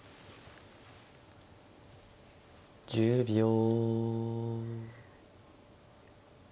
１０秒。